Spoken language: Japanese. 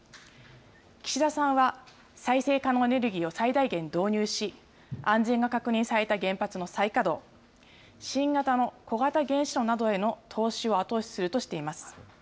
岸田さんは再生可能エネルギーを最大限導入し、安全が確認された原発の再稼働、新型の小型原子炉などへの投資を後押しするとしています。